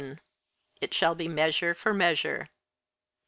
"It shall be Measure for Measure."